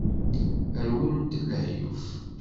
Rwin-t lehyuf.